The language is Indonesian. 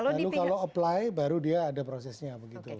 lalu kalau apply baru dia ada prosesnya begitu